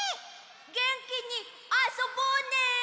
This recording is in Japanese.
げんきにあそぼうね！